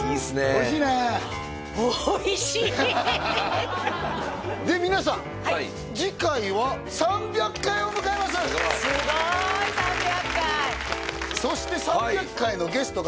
おいしいねおいしいで皆さん次回はすごい３００回そして３００回のゲストがなんと！